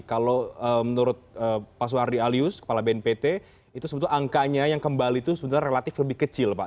kalau menurut pak suhardi alyus kepala bnpt itu sebetulnya angkanya yang kembali itu sebenarnya relatif lebih kecil pak